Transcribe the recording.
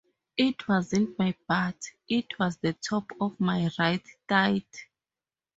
It wasn't my butt, it was the top of my right thigh.